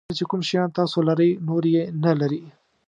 کله چې کوم شیان تاسو لرئ نور یې نه لري.